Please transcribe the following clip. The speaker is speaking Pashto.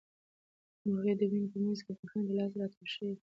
مرغۍ د ونې په منځ کې د یخنۍ له لاسه راټولې شوې وې.